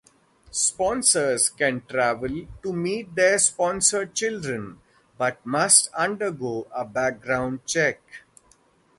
Sponsors can travel to meet their sponsored children but must undergo a background check.